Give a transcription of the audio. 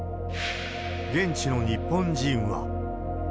現地の日本人は。